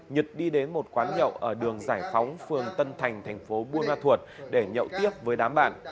nhật đi đến một quán nhậu ở đường giải phóng phường tân thành thành phố buôn ma thuột để nhậu tiếp với đám bạn